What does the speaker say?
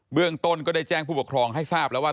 เรื่องต้นก็ได้แจ้งผู้ปกครองให้ทราบแล้วว่า